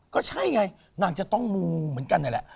ก็ใช่ไงนางจะต้องมูเหมือนกันนั่นแหละ